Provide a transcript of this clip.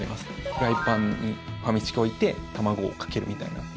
フライパンにファミチキ置いて卵をかけるみたいな。